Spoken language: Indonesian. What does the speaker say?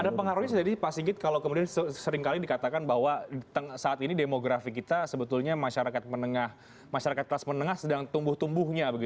ada pengaruhnya tidak sih pak sigit kalau kemudian seringkali dikatakan bahwa saat ini demografi kita sebetulnya masyarakat menengah masyarakat kelas menengah sedang tumbuh tumbuhnya